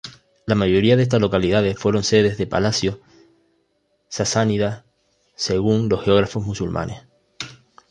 La mayoría de estas localidades fueron sedes de palacios sasánidas según los geógrafos musulmanes.